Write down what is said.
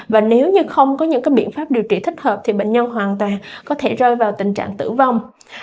và nếu như không có những biện pháp điều trị thích hợp thì bệnh nhân hoàn toàn có thể rơi vào tình trạng tử vong